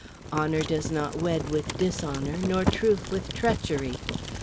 Honor does not wed with dishonor, nor truth with treachery.